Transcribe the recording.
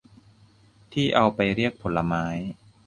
ที่เอาไปเรียกผลไม้